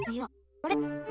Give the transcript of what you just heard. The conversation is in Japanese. あれ？